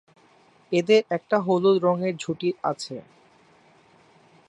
এদের একটা হলুদ রঙের ঝুঁটি আছে।